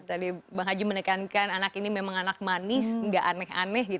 tadi bang haji menekankan anak ini memang anak manis nggak aneh aneh